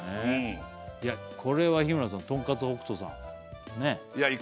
これは日村さんとんかつ穂久斗さんねえ